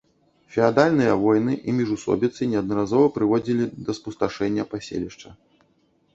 Феадальныя вайны і міжусобіцы неаднаразова прыводзілі да спусташэння паселішча.